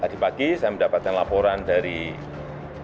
dan tadi pagi saya mendapatkan laporan dari mbak mbak mbak